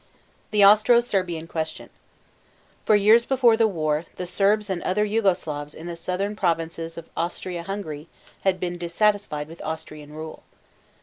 THE AUSTRO SERBIAN QUESTION. For years before the war the Serbs and other Jugo Slavs in the southern provinces of Austria Hungary had been dissatisfied with Austrian rule.